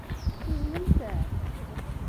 Tuznemt-tent?